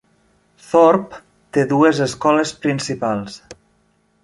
Thorp té dues escoles principals.